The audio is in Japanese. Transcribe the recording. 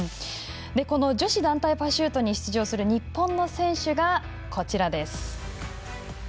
この女子団体パシュートに出場する日本の選手がこちらです。